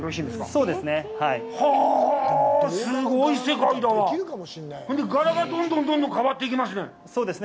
それで柄がどんどん変わっていきますね。